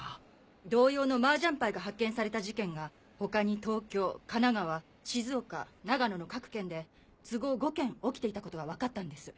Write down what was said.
同様のマージャンパイが発見された事件が他に東京神奈川静岡長野の各県で都合５件起きていたことが分かったんです。